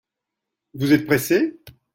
Vous êtes pressé ?